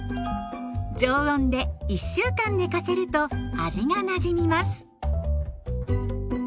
常温で１週間寝かせると味がなじみます。